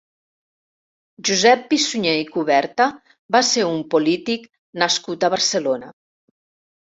Josep Pi-Sunyer i Cuberta va ser un polític nascut a Barcelona.